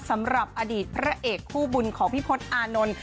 สำหรับอดีตพระเอกคู่บุญของพี่พศอานนท์